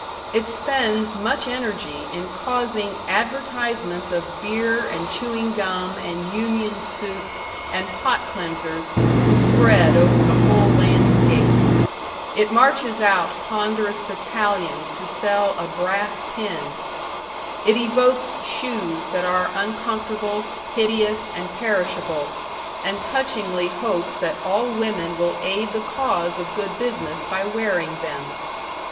It spends much energy in causing advertisements of beer and chewing gum and union suits and pot cleansers to spread over the whole landscape. It marches out ponderous battalions to sell a brass pin. It evokes shoes that are uncomfortable, hideous, and perishable, and touchingly hopes that all women will aid the cause of good business by wearing them.